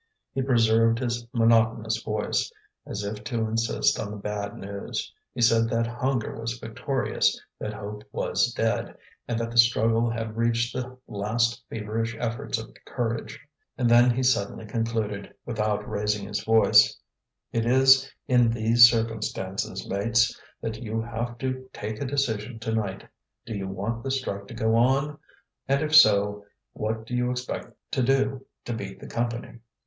He preserved his monotonous voice, as if to insist on the bad news; he said that hunger was victorious, that hope was dead, and that the struggle had reached the last feverish efforts of courage. And then he suddenly concluded, without raising his voice: "It is in these circumstances, mates, that you have to take a decision to night. Do you want the strike to go on? and if so, what do you expect to do to beat the Company?"